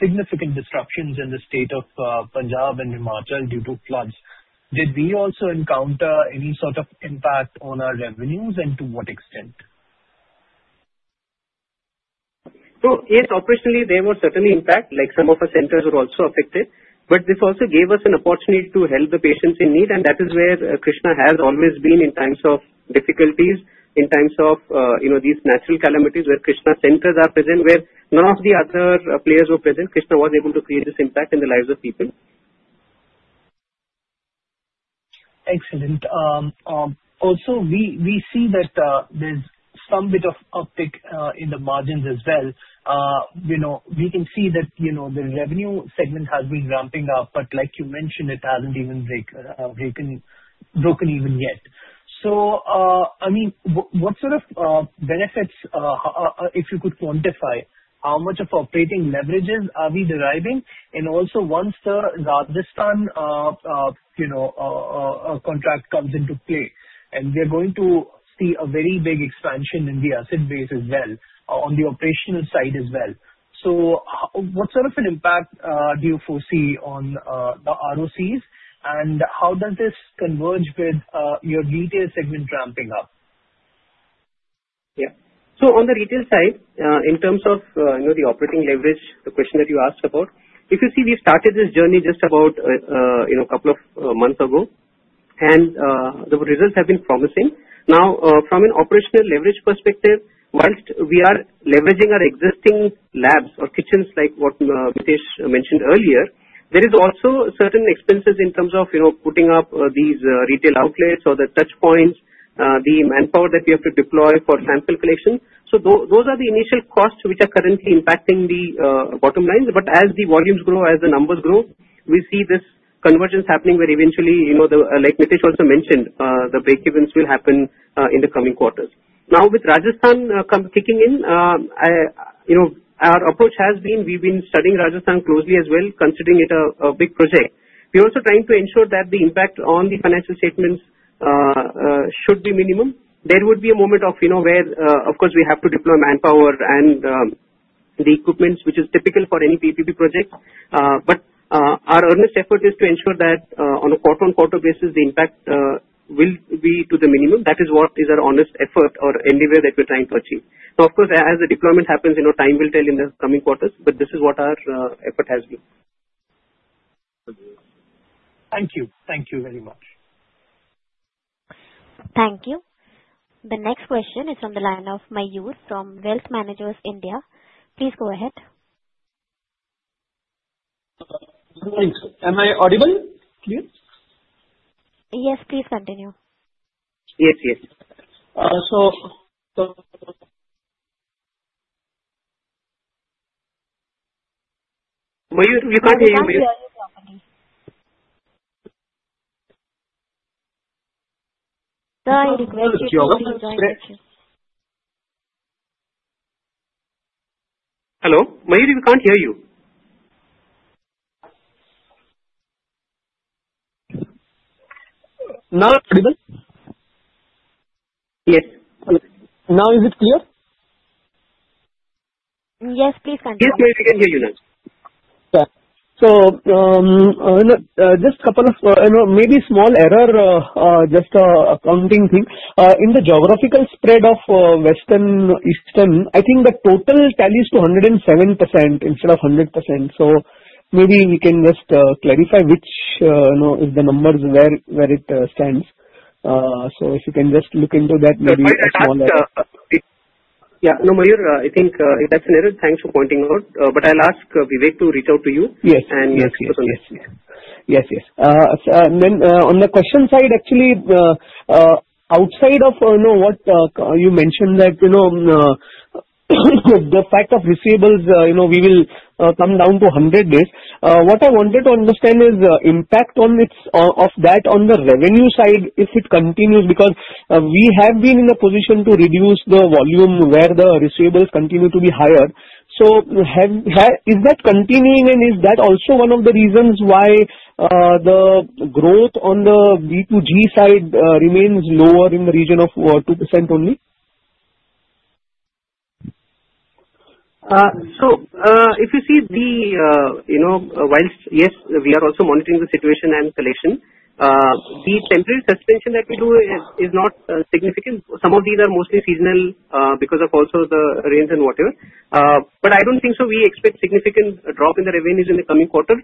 significant disruptions in the state of Punjab and Himachal due to floods, did we also encounter any sort of impact on our revenues and to what extent? So yes, operationally, there was certainly impact. Like some of our centers were also affected, but this also gave us an opportunity to help the patients in need. That is where Krsnaa has always been in times of difficulties, in times of these natural calamities where Krsnaa centers are present, where none of the other players were present. Krsnaa was able to create this impact in the lives of people. Excellent. Also, we see that there's some bit of uptick in the margins as well. We can see that the revenue segment has been ramping up, but like you mentioned, it hasn't even broken even yet. I mean, what sort of benefits, if you could quantify, how much of operating leverages are we deriving? And also, once the Rajasthan contract comes into play, and we are going to see a very big expansion in the asset base as well on the operational side as well. So what sort of an impact do you foresee on the ROCE, and how does this converge with your retail segment ramping up? Yeah. So on the retail side, in terms of the operating leverage, the question that you asked about, if you see, we started this journey just about a couple of months ago, and the results have been promising. Now, from an operational leverage perspective, while we are leveraging our existing labs or kitchens, like what Mitesh mentioned earlier, there is also certain expenses in terms of putting up these retail outlets or the touchpoints, the manpower that we have to deploy for sample collection. Those are the initial costs which are currently impacting the bottom lines. But as the volumes grow, as the numbers grow, we see this convergence happening where eventually, like Mitesh also mentioned, the breakevens will happen in the coming quarters. Now, with Rajasthan kicking in, our approach has been we've been studying Rajasthan closely as well, considering it a big project. We are also trying to ensure that the impact on the financial statements should be minimum. There would be a moment of where, of course, we have to deploy manpower and the equipment, which is typical for any PPP project, but our earnest effort is to ensure that on a quarter-on-quarter basis, the impact will be to the minimum. That is what is our honest effort or endeavor that we're trying to achieve. Now, of course, as the deployment happens, time will tell in the coming quarters, but this is what our effort has been. Thank you. Thank you very much. Thank you. The next question is from the line of Mayur from Wealth Managers (India). Please go ahead. Thanks. Am I audible? Yes, please continue. Yes, yes. So. We cannot hear you properly. Hello. Mayur, we can't hear you. Now, audible? Yes. Now, is it clear? Yes, please continue. Yes, Mayur, we can hear you now. Yeah. So just a couple of maybe small error, just accounting thing. In the geographical spread of western eastern, I think the total tally is to 107% instead of 100%. Maybe we can just clarify which is the numbers where it stands. So if you can just look into that, maybe a small error. Yeah. No, Mayur, I think that's an error. Thanks for pointing out. But I'll ask Vivek to reach out to you and explain. Yes. Yes. Yes. Yes. On the question side, actually, outside of what you mentioned that the fact of receivables, we will come down to 100 days. What I wanted to understand is the impact of that on the revenue side if it continues because we have been in the position to reduce the volume where the receivables continue to be higher. So is that continuing, and is that also one of the reasons why the growth on the B2G side remains lower in the region of 2% only? So if you see, while yes, we are also monitoring the situation and collection, the temporary suspension that we do is not significant. Some of these are mostly seasonal because of also the rains and whatever. But I don't think so. We expect a significant drop in the revenues in the coming quarter.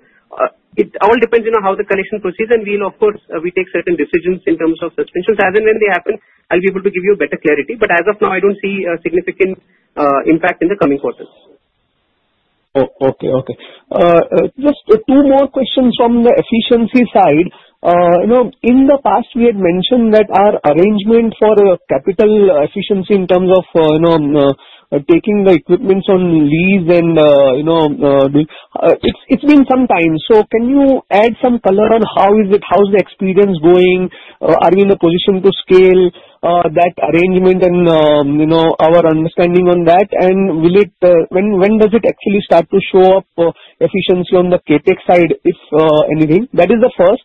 It all depends on how the collection proceeds, and we'll, of course, take certain decisions in terms of suspensions. As and when they happen, I'll be able to give you better clarity. But as of now, I don't see a significant impact in the coming quarters. Okay. Okay. Just two more questions from the efficiency side. In the past, we had mentioned that our arrangement for capital efficiency in terms of taking the equipment on lease and it's been some time. Can you add some color on how is it? How's the experience going? Are we in a position to scale that arrangement and our understanding on that? When does it actually start to show up efficiency on the CapEx side, if anything? That is the first.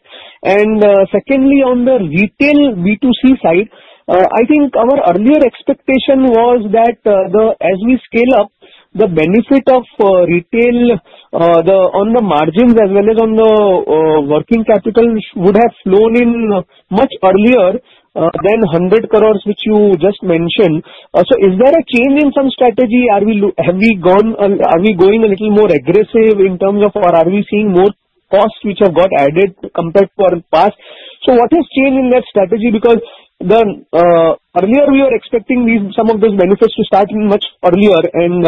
Secondly, on the retail B2C side, I think our earlier expectation was that as we scale up, the benefit of retail on the margins as well as on the working capital would have flown in much earlier than 100 crores, which you just mentioned. So is there a change in some strategy? Have we gone? Are we going a little more aggressive in terms of are we seeing more costs which have got added compared to our past? What has changed in that strategy? Because earlier, we were expecting some of those benefits to start much earlier, and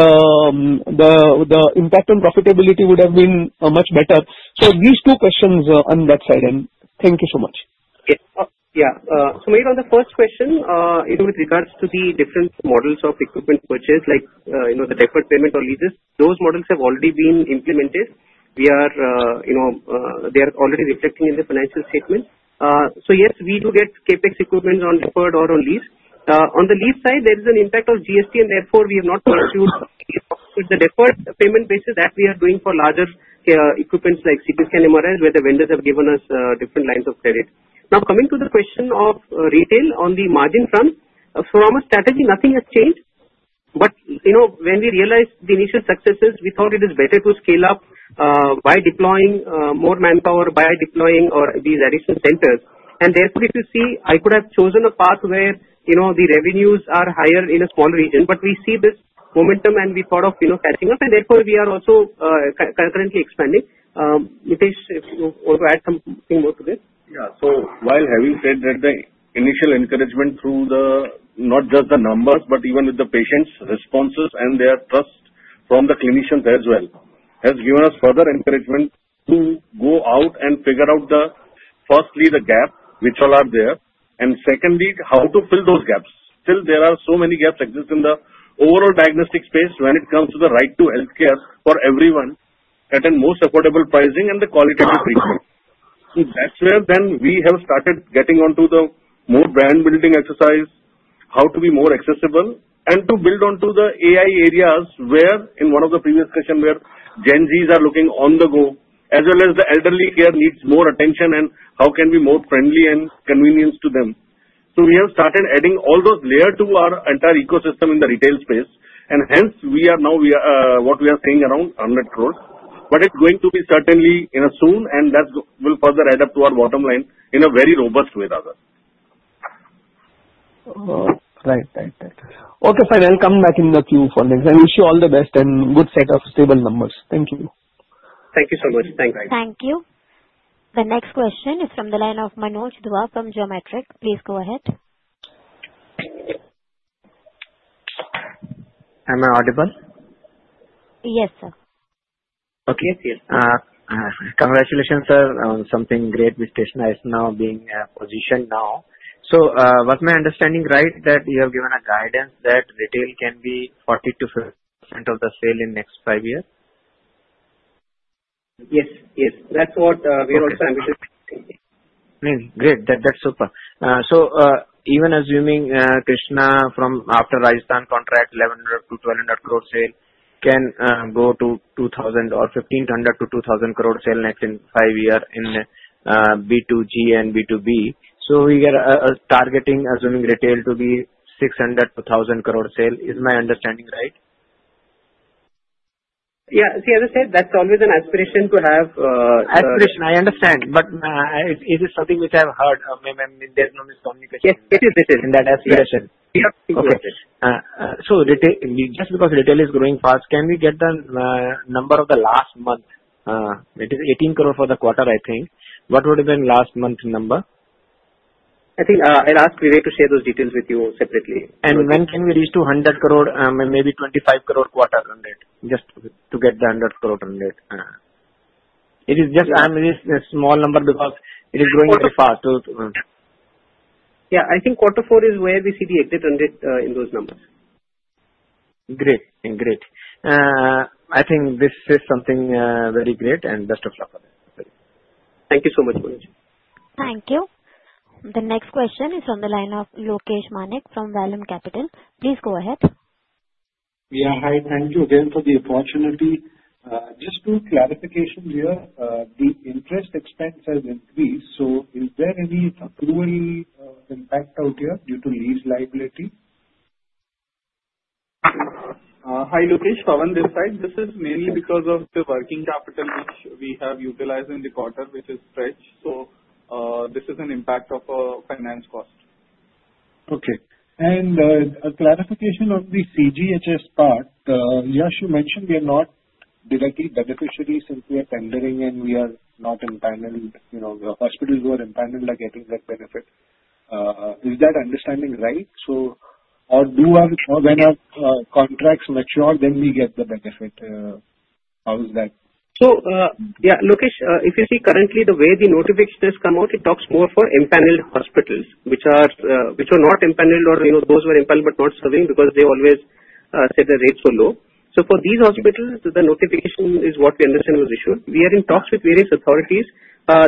the impact on profitability would have been much better. These two questions on that side. Thank you so much. Yeah. So Mayur, on the first question. With regards to the different models of equipment purchase, like the deferred payment or leases, those models have already been implemented. They are already reflecting in the financial statement. So yes, we do get CapEx equipment on deferred or on lease. On the lease side, there is an impact of GST, and therefore, we have not pursued the deferred payment basis that we are doing for larger equipments like CT scan MRIs, where the vendors have given us different lines of credit. Now, coming to the question of retail on the margin front, from a strategy, nothing has changed. But when we realized the initial successes, we thought it is better to scale up by deploying more manpower, by deploying these additional centers. Therefore, if you see, I could have chosen a path where the revenues are higher in a smaller region. But we see this momentum, and we thought of catching up. Therefore, we are also currently expanding. Mitesh, if you want to add something more to this? Yeah. So while having said that the initial encouragement through not just the numbers, but even with the patients' responses and their trust from the clinicians as well, has given us further encouragement to go out and figure out, firstly, the gap which all are there, and secondly, how to fill those gaps. Still, there are so many gaps exist in the overall diagnostic space when it comes to the right-to-healthcare for everyone at a most affordable pricing and the qualitative treatment. That's where then we have started getting onto the more brand-building exercise, how to be more accessible, and to build onto the AI areas where, in one of the previous questions, Gen Zs are looking on the go, as well as the elderly care needs more attention, and how can be more friendly and convenient to them. So we have started adding all those layers to our entire ecosystem in the retail space. And hence, now what we are seeing around 100 crores. But it's going to be certainly soon, and that will further add up to our bottom line in a very robust way rather. Right. Right. Okay. Fine. I'll come back in a few following. I wish you all the best and good set of stable numbers. Thank you. Thank you so much. Thanks. Thank you. The next question is from the line of Manoj Dua from Geometric. Please go ahead. Am I audible? Yes, sir. Okay. Congratulations, sir. Something great. Business is now being positioned now. So was my understanding right that you have given a guidance that retail can be 40%-50% of the sales in the next five years? Yes. Yes. That's what we are also ambitioning. Great. That's super. So even assuming Krsnaa from after Rajasthan contract, 1,100-1,200 crore sale, can go to 2,000 or 1,500-2,000 crore sale next in five years in B2G and B2B, so we are targeting, assuming retail to be 600-1,000 crore sale. Is my understanding right? Yeah. See, as I said, that's always an aspiration to have. Aspiration. I understand. But it is something which I've heard. There's no micommunication. Yes. It is. It is in that aspiration. Okay. So just because retail is growing fast, can we get the number of the last month? It is 18 crore for the quarter, I think. What would have been last month's number? I think I'll ask Vivek to share those details with you separately. When can we reach 100 crore? Maybe 25 crore quarter 100, just to get the 100 crore. 100. It is just a small number because it is growing very fast. Yeah. I think quarter four is where we see the exit 100 in those numbers. Great. Great. I think this is something very great, and best of luck for that. Thank you so much, Manoj. Thank you. The next question is from the line of Lokesh Manik from Vallum Capital. Please go ahead. Yeah. Hi. Thank you again for the opportunity. Just two clarifications here. The interest expense has increased. Is there any accrual impact out here due to lease liability? Hi, Lokesh. Pawan this side. This is mainly because of the working capital which we have utilized in the quarter, which is stretched. So this is an impact of a finance cost. Okay. And a clarification on the CGHS part. Yash, you mentioned we are not directly beneficiaries since we are tendering, and we are not in panel. The hospitals who are in panel are getting that benefit. Is that understanding right? Or when our contracts mature, then we get the benefit. How is that? So yeah, Lokesh, if you see, currently, the way the notification has come out, it talks more for empanelled hospitals, which are not empanelled or those who are empanelled but not serving because they always said the rates were low. So for these hospitals, the notification is what we understand was issued. We are in talks with various authorities.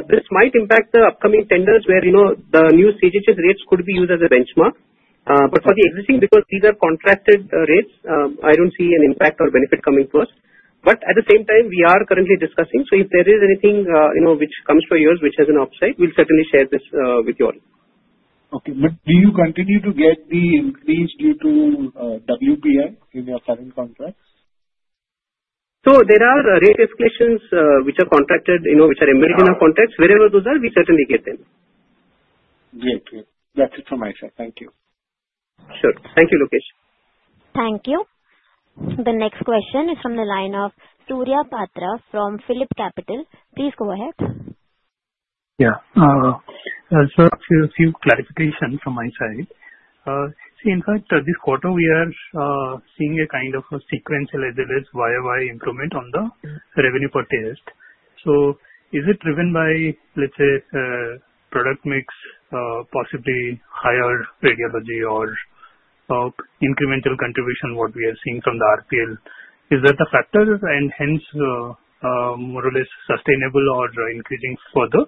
This might impact the upcoming tenders where the new CGHS rates could be used as a benchmark. But for the existing, because these are contracted rates, I don't see an impact or benefit coming to us. But at the same time, we are currently discussing. So if there is anything which comes to yours, which has an upside, we'll certainly share this with you all. Okay. But do you continue to get the increase due to WPI in your current contracts? So there are rate escalations which are contracted, which are embedded in our contracts. Wherever those are, we certainly get them. Great. Great. That's it from my side. Thank you. Sure. Thank you, Lokesh. Thank you. The next question is from the line of Surya Patra from Phillip Capital. Please go ahead. Yeah. So a few clarifications from my side. See, in fact, this quarter, we are seeing a kind of a sequential as well as YOY improvement on the revenue per test. Is it driven by, let's say, product mix, possibly higher radiology or incremental contribution, what we are seeing from the RPL? Is that a factor and hence more or less sustainable or increasing further?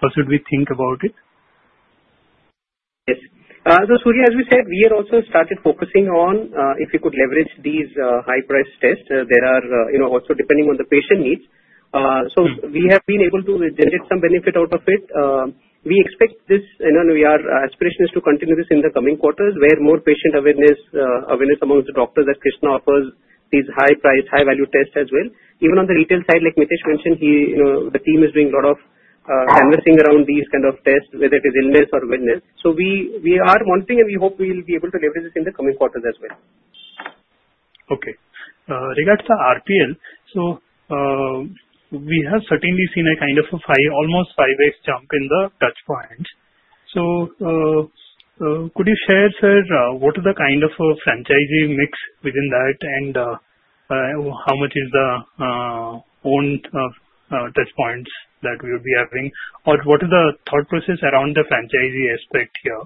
How should we think about it? Yes. So Surya, as we said, we have also started focusing on if we could leverage these high-priced tests. There are also, depending on the patient needs. We have been able to generate some benefit out of it. We expect this, and our aspiration is to continue this in the coming quarters where more patient awareness amongst the doctors as Krsnaa offers these high-value tests as well. Even on the retail side, like Mitesh mentioned, the team is doing a lot of canvassing around these kind of tests, whether it is illness or wellness. We are monitoring, and we hope we will be able to leverage this in the coming quarters as well. Okay. Regards to RPL, so we have certainly seen a kind of almost 5x jump in the touchpoints. Could you share, sir, what is the kind of franchisee mix within that, and how much is the owned touchpoints that we would be having? Or what is the thought process around the franchisee aspect here?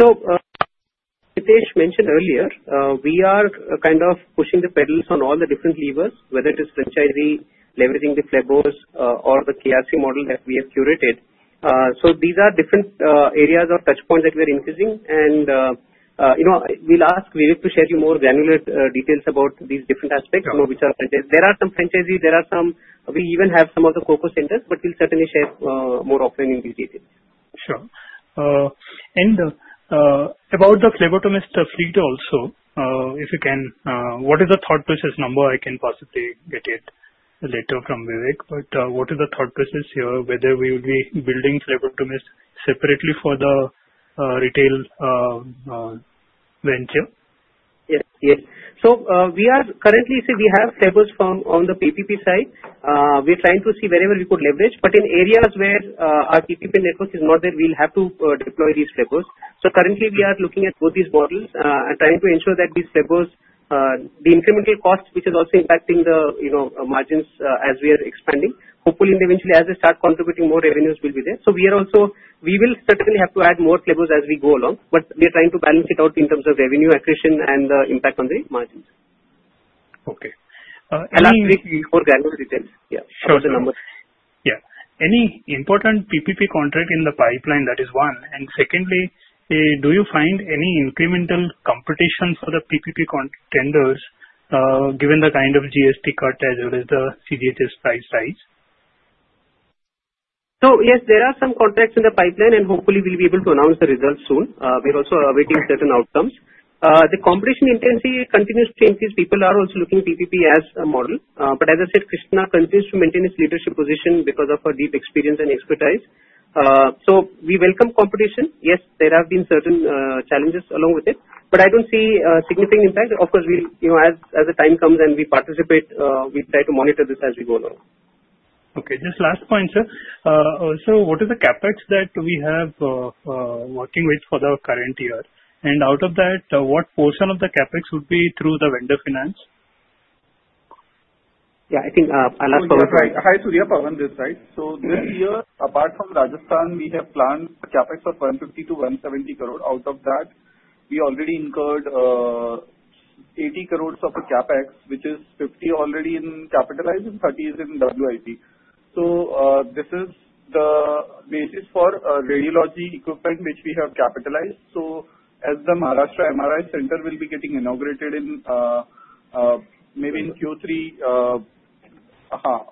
Mitesh mentioned earlier, we are kind of pushing the pedals on all the different levers, whether it is franchise, leveraging the labs, or the KRC model that we have curated. These are different areas of touchpoints that we are increasing. We'll ask Vivek to share you more granular details about these different aspects which are franchise. There are some franchisees. There are some we even have some of the focus centers, but we'll certainly share more on these details. Sure. About the phlebotomist fleet also, if you can, what is the thought process number? I can possibly get it later from Vivek. But what is the thought process here, whether we will be building phlebotomist separately for the retail venture? Yes. Yes. So currently, see, we have phlebos on the PPP side. We're trying to see wherever we could leverage. But in areas where our PPP network is not there, we'll have to deploy these phlebos. So currently, we are looking at both these models and trying to ensure that these phlebos, the incremental cost, which is also impacting the margins as we are expanding. Hopefully, eventually, as they start contributing more revenues, we'll be there. We will certainly have to add more phlebos as we go along. But we are trying to balance it out in terms of revenue accretion and the impact on the margins. Okay. And. I'll speak more granular details. Yeah. Those are the numbers. Yeah. Any important PPP contract in the pipeline? That is one. And secondly, do you find any incremental competition for the PPP tenders given the kind of GST cut as well as the CGHS price rise? So yes, there are some contracts in the pipeline, and hopefully, we'll be able to announce the results soon. We're also awaiting certain outcomes. The competition intensity continues to increase. People are also looking PPP as a model. But as I said, Krsnaa continues to maintain his leadership position because of her deep experience and expertise. So we welcome competition. Yes, there have been certain challenges along with it. But I don't see a significant impact. Of course, as the time comes and we participate, we try to monitor this as we go along. Okay. Just last point, sir. So what is the CapEx that we have working with for the current year? And out of that, what portion of the CapEx would be through the vendor finance? Yeah. I think I'll ask to answer it. Hi Surya. Pawan this side. So this year, apart from Rajasthan, we have planned CapEx of INR 150-170 crore. Out of that, we already incurred INR 80 crores of a CapEx, which is 50 already capitalized and 30 is in WIP. So this is the basis for radiology equipment which we have capitalized. As the Maharashtra MRI center will be getting inaugurated in maybe in Q3,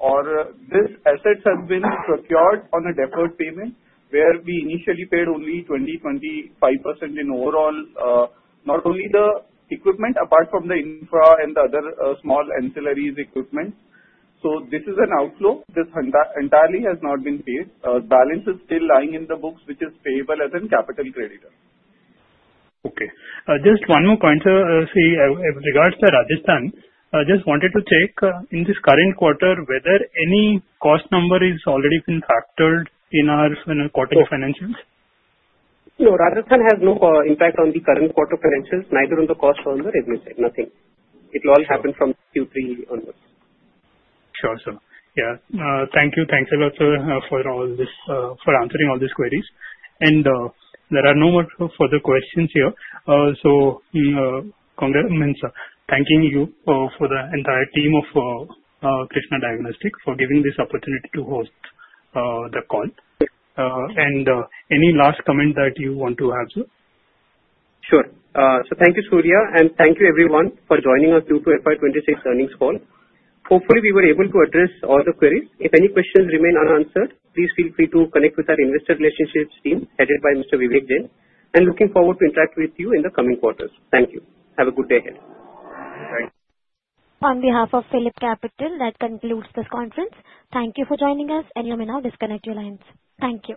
or this asset has been procured on a deferred payment where we initially paid only 20-25% in overall, not only the equipment, apart from the infra and the other small ancillary equipment. This is an outflow. This entirely has not been paid. Balance is still lying in the books, which is payable as in capital creditor. Okay. Just one more point, sir. See, regards to Rajasthan, just wanted to check in this current quarter whether any cost number is already been factored in our quarterly financials? No. Rajasthan has no impact on the current quarter financials, neither on the cost on the revenue side. Nothing. It will all happen from Q3 onwards. Sure, sir. Yeah. Thank you. Thanks a lot, sir, for answering all these queries. There are no more further questions here. So thanking you for the entire team of Krsnaa Diagnostics for giving this opportunity to host the call. And any last comment that you want to have, sir? Sure. Thank you, Surya. And thank you, everyone, for joining us for the FY26 earnings call. Hopefully, we were able to address all the queries. If any questions remain unanswered, please feel free to connect with our Investor Relations team headed by Mr. Vivek Jain. And looking forward to interact with you in the coming quarters. Thank you. Have a good day ahead. Thanks. On behalf of Phillip Capital, that concludes this conference. Thank you for joining us, and you may now disconnect your lines. Thank you.